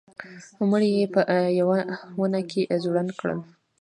مړی یې په یوه ونه کې ځوړند کړ.